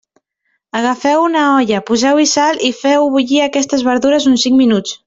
Agafeu una olla, poseu-hi sal i feu bullir aquestes verdures uns cinc minuts.